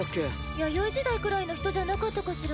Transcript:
弥生時代くらいの人じゃなかったかしら？